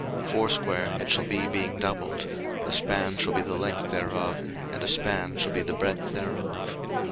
02:028:016 Foursquare it shall be being doubled; a span shall be the length thereof, and a span shall be the breadth thereof.